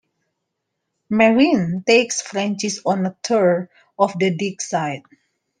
Merrin takes Francis on a tour of the dig site.